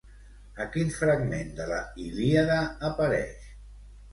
A quin fragment de la Ilíada apareix?